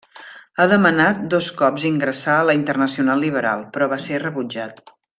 Ha demanat dos cops ingressar a la Internacional Liberal, però va ser rebutjat.